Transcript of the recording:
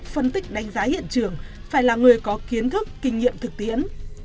phân tích đánh giá hiện trường phải là người có kiến thức kinh nghiệm thực tiễn